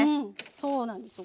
そうなんですよ。